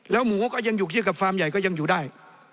หมูก็ยังอยู่เทียบกับฟาร์มใหญ่ก็ยังอยู่ได้